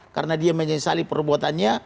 karena dia menyesali perbuatannya